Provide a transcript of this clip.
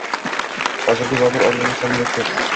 Hozirgi Bobur obrazi sal murakkab